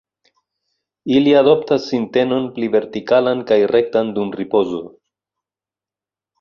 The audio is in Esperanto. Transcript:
Ili adoptas sintenon pli vertikalan kaj rektan dum ripozo.